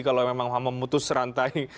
kalau memang memutus rantai